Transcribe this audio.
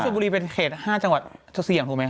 ชนบุรีเป็นเขต๕จังหวัดจะเสี่ยงถูกไหมค